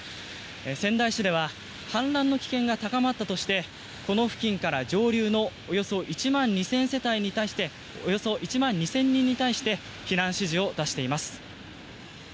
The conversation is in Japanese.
仙台市では氾濫の危険が高まったとしてこの付近から、上流のおよそ１万２０００人に対して避難指示を出しています。